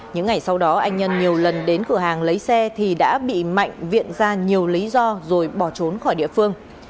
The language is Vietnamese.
những ngày sau đó anh nhân nhiều lần đến cửa hàng lấy xe thì đã bị mạnh viện ra nhiều lý do rồi bỏ trốn khỏi địa phương